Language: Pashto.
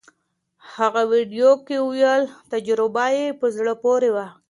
هغې ویډیو کې وویل تجربه یې په زړه پورې وه.